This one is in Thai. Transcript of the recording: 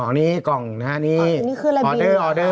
ออเดอร์ออเดอร์ออเดอร์